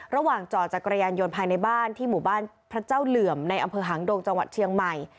จอดจักรยานยนต์ภายในบ้านที่หมู่บ้านพระเจ้าเหลื่อมในอำเภอหางดงจังหวัดเชียงใหม่